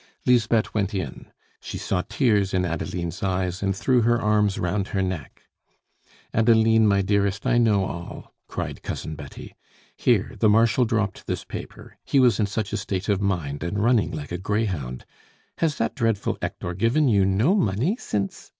Lisbeth went in. She saw tears in Adeline's eyes, and threw her arms round her neck. "Adeline, my dearest, I know all," cried Cousin Betty. "Here, the Marshal dropped this paper he was in such a state of mind, and running like a greyhound. Has that dreadful Hector given you no money since